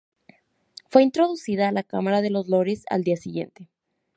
Fue introducida a la Cámara de los Lores al día siguiente.